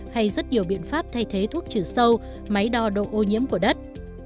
hay rất nhiều biện pháp thay thế thuốc trừ sâu máy đo độ ô nhiễm của đất